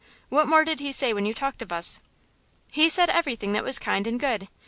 What more did he say when you talked of us?" "He said everything that was kind and good.